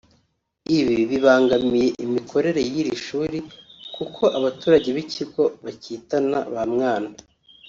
Ibi bibangamiye imikorere y’iri shuri kuko abaturage n’ikigo bakitana bamwana